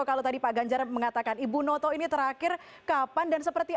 kalau tadi pak ganjar mengatakan ibu noto ini terakhir kapan dan seperti apa